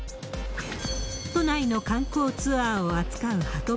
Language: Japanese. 都内の観光ツアーを扱うはと